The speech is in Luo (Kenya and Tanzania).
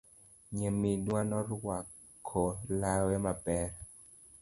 Nyaminwa norwako lawe maber.